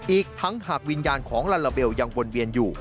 อีกทั้งหากวิญญาณของลาลาเบลยังวนเวียนอยู่